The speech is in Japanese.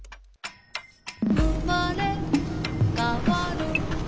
「うまれかわる」